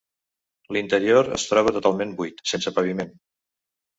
L’interior es troba totalment buit, sense paviment.